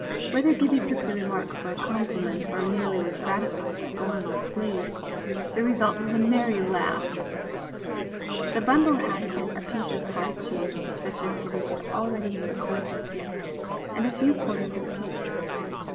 Whether Gibbie took the remark for a compliment, or merely was gratified that Donal was pleased, the result was a merry laugh. The bundle had in it a piece of hard cheese, such as Gibbie had already made acquaintance with, and a few quarters of cakes.